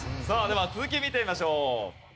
さあでは続き見てみましょう。